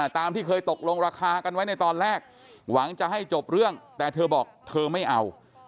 ตามที่เคยตกลงราคากันไว้ในตอนแรกหวังจะให้จบเรื่องแต่เธอบอกเธอไม่เอา